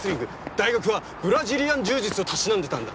大学はブラジリアン柔術をたしなんでたんだ。